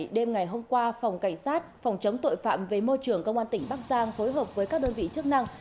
đêm ngày hôm qua phòng cảnh sát phòng chống tội phạm về môi trường công an tỉnh bắc giang phối hợp với các đơn vị chức năng